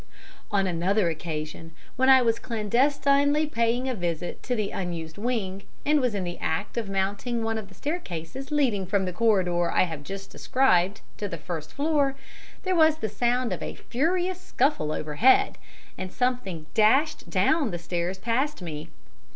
"On another occasion, when I was clandestinely paying a visit to the unused wing, and was in the act of mounting one of the staircases leading from the corridor, I have just described, to the first floor, there was the sound of a furious scuffle overhead, and something dashed down the stairs past me.